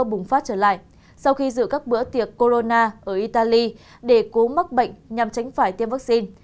bùng phát trở lại sau khi rửa các bữa tiệc corona ở italy để cố mắc bệnh nhằm tránh phải tiêm vaccine